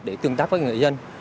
để tương tác với người dân